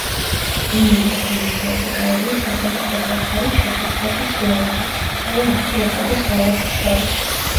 მდინარის ქვემოწელზე გაივლის სახელმწიფო საზღვარი ჩეხეთსა და სლოვაკეთს, ასევე ავსტრიასა და სლოვაკეთს შორის.